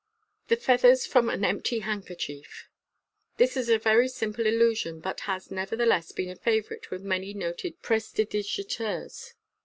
The Feathers from an Empty Handkerchief. — This is a very simple illusion, but has nevertheless been a favourite with many noted prestidigitateurs.